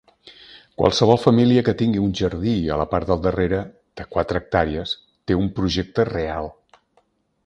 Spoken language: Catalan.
Qualsevol família que tingui un jardí a la part del darrere de quatre hectàrees té un projecte real.